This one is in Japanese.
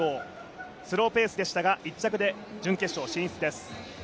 スローペースでしたが１着で準決勝進出です。